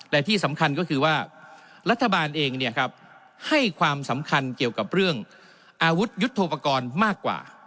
และที่สำคัญก็คือว่ารัฐบาลเองให้ความสำคัญเกี่ยวกับเรื่องอาวุธยุทธโปรกรณ์มากกว่า